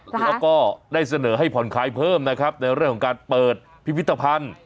แล้วก็ได้เสนอให้ผ่อนคลายเพิ่มนะครับในเรื่องของการเปิดพิพิธภัณฑ์